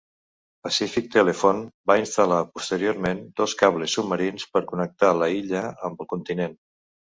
Pacific Telephone va instal·lar posteriorment dos cables submarins per connectar la illa amb el continent.